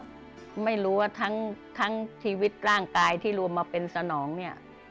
ก็ไม่รู้ว่าทั้งชีวิตร่างกายที่รวมมาเป็นสนองเนี่ย